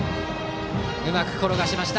うまく転がしました。